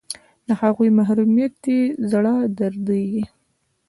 د هغوی په محرومیت دې زړه دردیږي